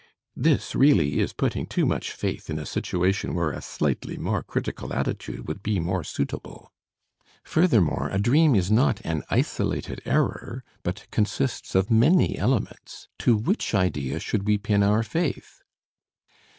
This, really, is putting too much faith in a situation where a slightly more critical attitude would be more suitable. Furthermore, a dream is not an isolated error, but consists of many elements. To which idea should we pin our faith?"